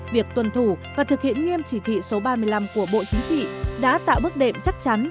việc tuân thủ và thực hiện nghiêm chỉ thị số ba mươi năm của bộ chính trị đã tạo bước đệm chắc chắn